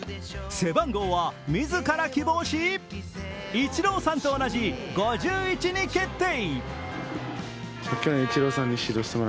背番号は自ら希望し、イチローさんと同じ５１に決定。